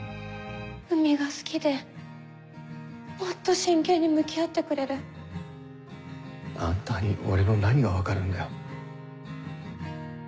海が好きでもっと真剣に向き合ってくれるあんたに俺の何が分かるんだよ